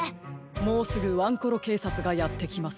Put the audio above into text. もうすぐワンコロけいさつがやってきます。